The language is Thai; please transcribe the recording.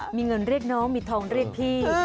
มีเงินเรียกน้องมีทองเรียกพี่